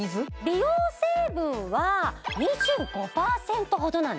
美容成分は２５％ほどなんです